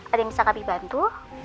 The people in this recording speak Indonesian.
ada yang bisa kami bantu